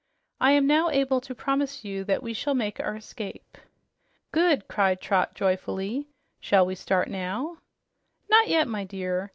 I am now able to promise you that we shall make our escape." "Good!" cried Trot joyfully. "Shall we start now?" "Not yet, my dear.